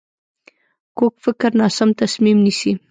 کوږ فکر ناسم تصمیم نیسي